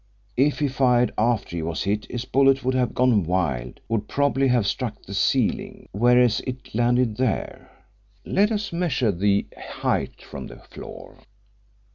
If he fired after he was hit his bullet would have gone wild would probably have struck the ceiling whereas it landed there. Let us measure the height from the floor."